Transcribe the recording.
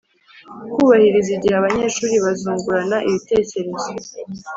Kubahiriza igihe Abanyeshuri bazungurana ibitekerezo